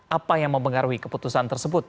apa yang mempengaruhi keputusan tersebut